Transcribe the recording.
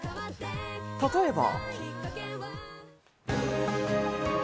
例えば。